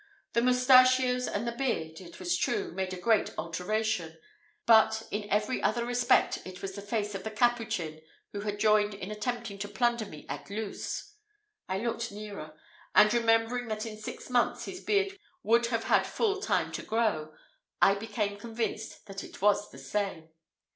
The mustachios and the beard, it was true, made a great alteration, but in every other respect it was the face of the Capuchin who had joined in attempting to plunder me at Luz. I looked nearer, and remembering that in six months his beard would have had full time to grow, I became convinced that it was the same.